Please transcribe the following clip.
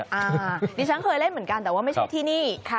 อันนี้ฉันเคยเล่นเหมือนกันแต่ว่าไม่ใช่ที่นี่